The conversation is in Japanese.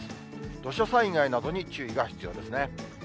土砂災害などに注意が必要ですね。